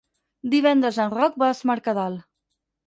Divendres en Roc va a Es Mercadal.